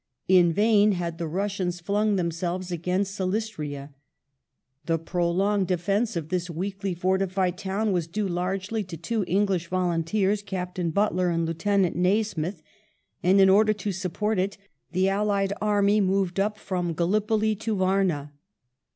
In vain had the Russians flung themselves against Silistria. The prolonged defence of this weakly fortified town was due largely to two English volunteers. Captain Butler and Lieutenant Nasmyth, and in order to support it the allied army moved up from Gallipoli to Varna.